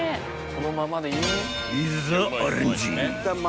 ［いざアレンジ］